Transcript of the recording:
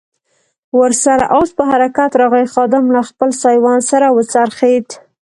ور سره آس په حرکت راغی، خادم له خپل سایوان سره و څرخېد.